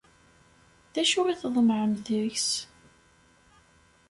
D acu i tḍemεem deg-s?